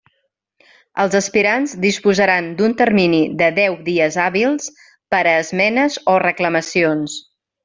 Els aspirants disposaran d'un termini de deu dies hàbils per a esmenes o reclamacions.